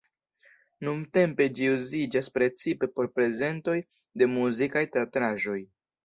Nuntempe ĝi uziĝas precipe por prezentoj de muzikaj teatraĵoj.